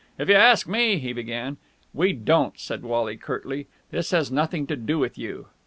"If you ask me...." he began. "We don't," said Wally curtly. "This has nothing to do with you.